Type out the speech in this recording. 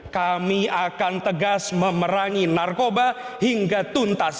kami akan tegas memerangi narkoba hingga tuntas